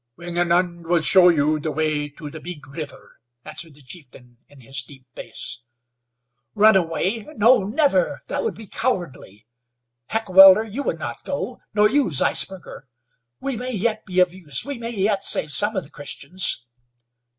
"Wingenund will show you the way to the big river," answered the chieftain, in his deep bass. "Run away? No, never! That would be cowardly. Heckewelder, you would not go? Nor you, Zeisberger? We may yet be of use, we may yet save some of the Christians."